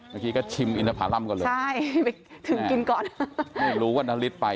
เมื่อกี้ก็ชิมอินทภารัมก่อนเลยใช่ไปถึงกินก่อนไม่รู้ว่านาริสไป